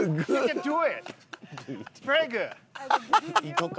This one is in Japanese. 行こうか？